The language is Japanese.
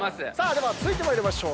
では続いて参りましょう。